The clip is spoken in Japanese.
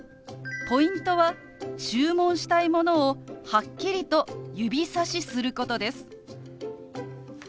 ポイントは注文したいものをはっきりと指さしすることです。